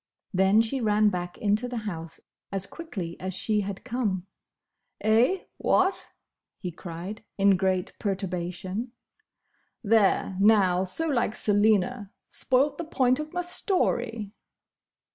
Then she ran back into the house as quickly as she had come. "Eh? What?" he cried, in great perturbation. "There, now!—So like Selina! Spoilt the point of my story!"